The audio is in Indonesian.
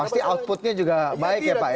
pasti outputnya juga baik ya pak ya